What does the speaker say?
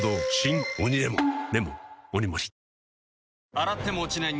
洗っても落ちない